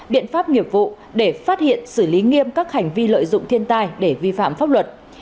biện pháp nghiệp vụ để phát hiện xử lý nghiêm các hành vi lợi dụng thiên tai để vi phạm pháp luật